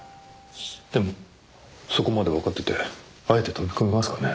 でもそこまでわかっててあえて飛び込みますかね。